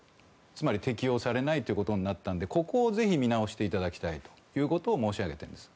つまり適用されないということになったのでここをぜひ見直していただきたいということを申し上げています。